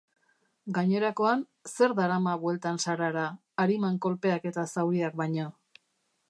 Gainerakoan, zer darama bueltan Sarara, ariman kolpeak eta zauriak baino?